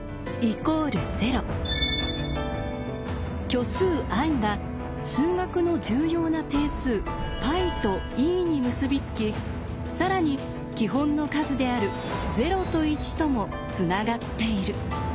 虚数ｉが数学の重要な定数πとｅに結び付き更に基本の数である０と１ともつながっている。